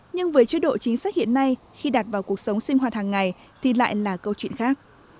nhưng với chế độ chính sách hiện nay khi đạt vào cuộc sống sinh hoạt hàng ngày thì lại là câu chuyện khác